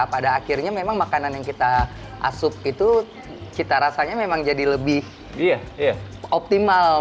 pada akhirnya memang makanan yang kita asup itu cita rasanya memang jadi lebih optimal